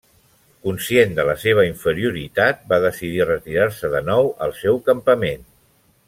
Conscient de la seva inferioritat, va decidir retirar-se de nou al seu campament.